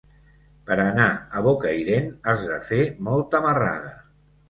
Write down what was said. Per anar a Bocairent has de fer molta marrada.